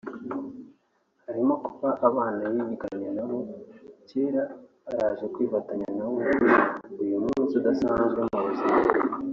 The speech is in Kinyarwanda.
harimo kuba abana yiganye nabo kera baraje kwifatanya na we kuri uyu munsi udasanzwe mu buzima bwe